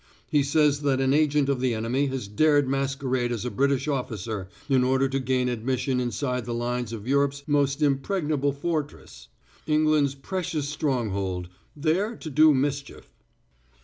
He says that an agent of the enemy has dared masquerade as a British officer in order to gain admission inside the lines of Europe's most impregnable fortress, England's precious stronghold, there to do mischief!